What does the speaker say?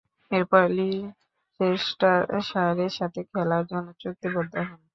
এরপর লিচেস্টারশায়ারের সাথে খেলার জন্যে চুক্তিবদ্ধ হন।